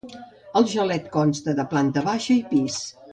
El xalet consta de planta baixa i pis.